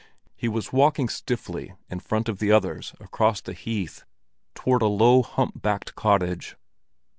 He was walking stiffly in front of the others across the heath toward a low, hump backed cottage.